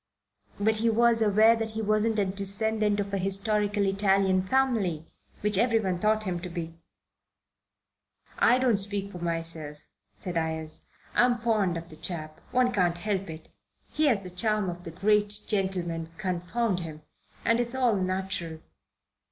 "But he was aware that he wasn't a descendant of a historical Italian family, which everyone thought him to be. I don't speak for myself," said Ayres. "I'm fond of the chap. One can't help it. He has the charm of the great gentleman, confound him, and it's all natural.